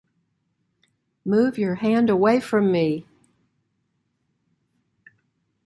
Move your hand away from me!